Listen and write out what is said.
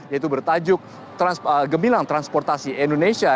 yaitu bertajuk gemilang transportasi indonesia